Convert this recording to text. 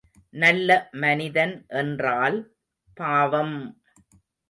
நல்ல மனிதன் என்றால், பாவம்!